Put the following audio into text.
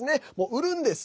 売るんです。